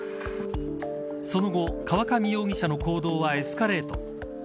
その後、河上容疑者の行動はエスカレート。